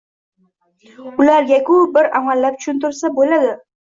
Ularga-ku bir amallab tushuntirsa bo‘ladi.